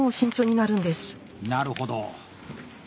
なるほど。